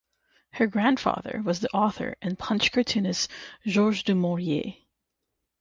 Her grandfather was the author and Punch cartoonist George du Maurier.